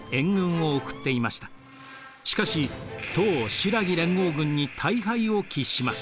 しかし唐・新羅連合軍に大敗を喫します。